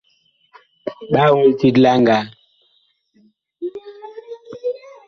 Ɓa ol tit la ngaa.